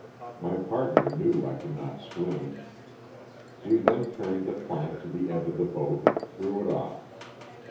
My partner knew I could not swim. We then carried the plank to the edge of the boat and threw it off.